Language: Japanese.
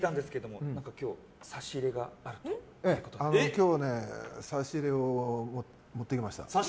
今日ね差し入れを持ってきました。